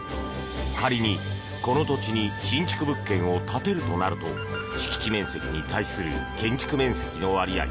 仮に、この土地に新築物件を建てるとなると敷地面積に対する建築面積の割合